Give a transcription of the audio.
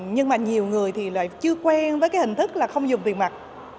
nhưng mà nhiều người thì lại chưa quen với cái hình thức là không dùng tiền mặt